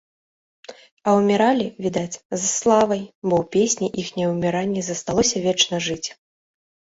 А ўміралі, відаць, з славай, бо ў песні іхняе ўміранне засталося вечна жыць.